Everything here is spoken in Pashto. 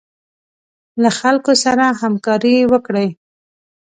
له خلکو سره همکاري وکړئ.